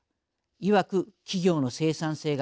いわく企業の生産性が低いから。